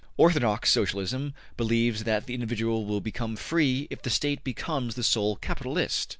Orthodox Socialism believes that the individual will become free if the State becomes the sole capitalist.